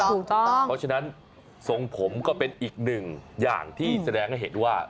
ถูกต้องเพราะฉะนั้นทรงผมก็เป็นอีกหนึ่งอย่างที่แสดงให้เห็นว่า